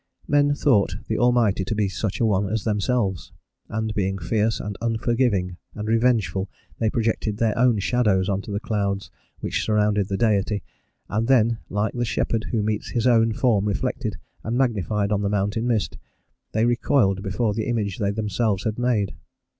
Men thought the Almighty to be such a one as themselves, and being fierce and unforgiving and revengeful, they projected their own shadows on to the clouds which surrounded the Deity, and then, like the shepherd who meets his own form reflected and magnified on the mountain mist, they recoiled before the image they themselves had made.